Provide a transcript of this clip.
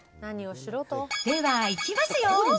では、いきますよ。